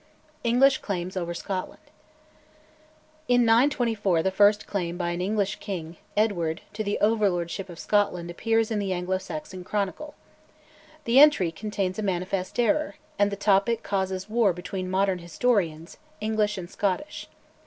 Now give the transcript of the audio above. ENGLISH CLAIMS OVER SCOTLAND. In 924 the first claim by an English king, Edward, to the over lordship of Scotland appears in the Anglo Saxon Chronicle. The entry contains a manifest error, and the topic causes war between modern historians, English and Scottish.